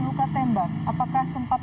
luka tembak apakah sempat